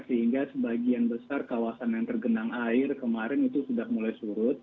sehingga sebagian besar kawasan yang tergenang air kemarin itu sudah mulai surut